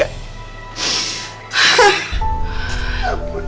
gak punya duit